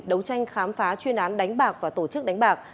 đấu tranh khám phá chuyên án đánh bạc và tổ chức đánh bạc